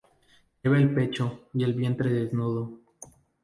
Lleva el pecho y el vientre desnudo.